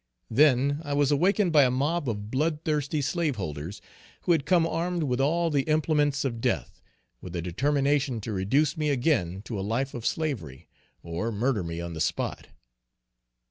Then I was awakened by a mob of blood thirsty slaveholders, who had come armed with all the implements of death, with a determination to reduce me again to a life of slavery, or murder me on the spot.